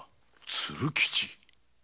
鶴吉！